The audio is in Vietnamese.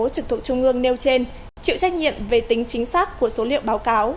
trực thuộc trung ương nêu trên chịu trách nhiệm về tính chính xác của số liệu báo cáo